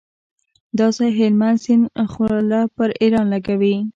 دا ځای هلمند سیند خوله پر ایران لګوي.